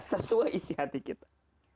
sesuai isi hati kita